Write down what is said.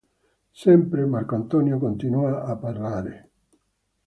Sempre Marco Antonio continua a parlare.